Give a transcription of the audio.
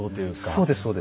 そうですそうです。